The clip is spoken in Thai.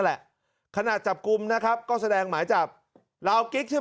แหละขณะจับกลุ่มนะครับก็แสดงหมายจับลาวกิ๊กใช่ไหม